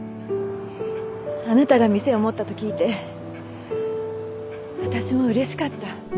あなたが店を持ったと聞いて私も嬉しかった。